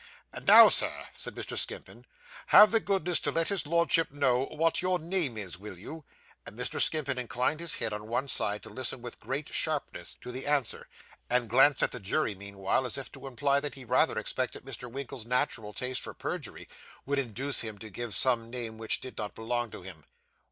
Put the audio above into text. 'Now, Sir,' said Mr. Skimpin, 'have the goodness to let his Lordship know what your name is, will you?' and Mr. Skimpin inclined his head on one side to listen with great sharpness to the answer, and glanced at the jury meanwhile, as if to imply that he rather expected Mr. Winkle's natural taste for perjury would induce him to give some name which did not belong to him.